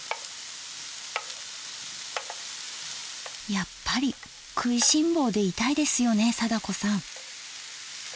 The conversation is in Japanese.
やっぱり食いしん坊でいたいですよね貞子さん。